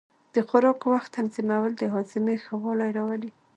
د خوراک وخت تنظیمول د هاضمې ښه والی راولي.